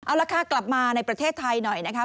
เอาละค่ะกลับมาในประเทศไทยหน่อยนะคะ